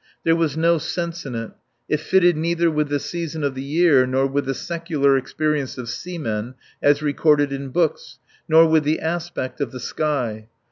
There was no sense in it. It fitted neither with the season of the year nor with the secular experience of seamen as recorded in books, nor with the aspect of the sky.